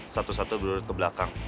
satu satu bulan ke belakang